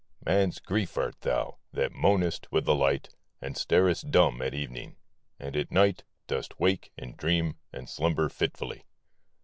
Man's Grief art thou, that moanest with the light, And starest dumb at evening — and at night Dost wake and dream and slumber fitfully